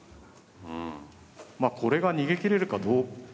まこれが逃げきれるかどうか。